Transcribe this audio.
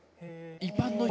一般の人？